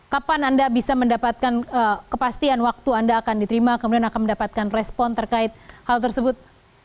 kapan anda bisa mendapatkan kepastian waktu anda akan diterima kemudian akan mendapatkan respon terkait hal tersebut